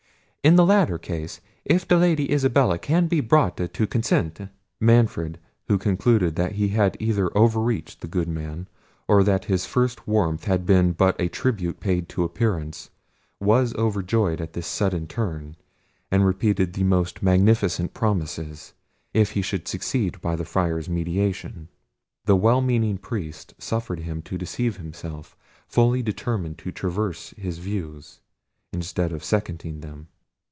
In the latter case, if the Lady Isabella can be brought to consent—" Manfred, who concluded that he had either over reached the good man, or that his first warmth had been but a tribute paid to appearance, was overjoyed at this sudden turn, and repeated the most magnificent promises, if he should succeed by the Friar's mediation. The well meaning priest suffered him to deceive himself, fully determined to traverse his views, instead of seconding them.